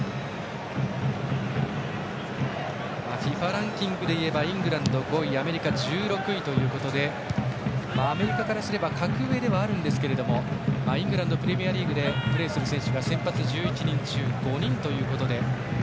ＦＩＦＡランキングでいえば、イングランドが５位アメリカ、１６位ということでアメリカからすれば格上ではありますがイングランド・プレミアリーグでプレーする選手が先発１１人中５人ということで。